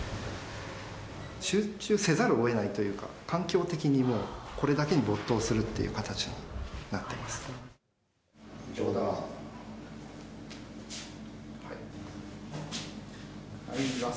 集中せざるをえないというか、環境的にもう、これだけに没頭するっていう形になってます。